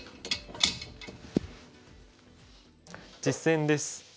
実戦です。